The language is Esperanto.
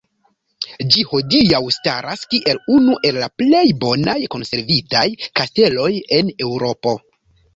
Ĝi hodiaŭ staras kiel unu el la plej bonaj konservitaj kasteloj en Eŭropo.